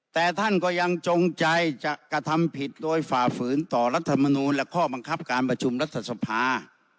แต่ท่านก็ยังจงใจจะกระทำผิดโดยฝ่าฝืนต่อรัฐมนูลและข้อบังคับการประชุมรัฐสภา